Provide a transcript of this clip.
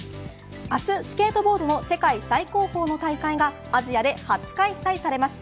明日、スケートボードの世界最高峰の大会がアジアで初開催されます。